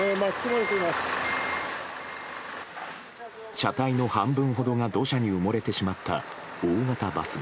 車体の半分ほどが土砂に埋もれてしまった大型バスが。